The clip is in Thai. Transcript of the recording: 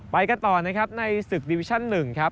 ไปกันต่อในศึกดิวิชั่น๑